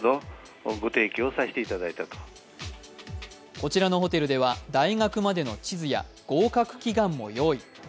こちらのホテルでは、大学までの地図や合格祈願も用意。